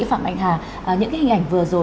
phạm anh hà những hình ảnh vừa rồi